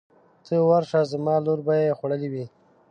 ته ورشه زما لور به یې خوړلې وي.